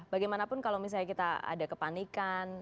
bagaimanapun kalau misalnya kita ada kepanikan